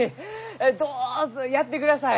どうぞやってください。